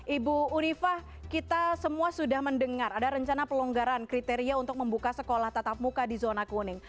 ibu unifah kita semua sudah mendengar ada rencana pelonggaran kriteria untuk membuka sekolah tatap muka di zona kuning